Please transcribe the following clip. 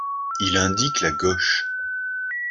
Il indique la gauche.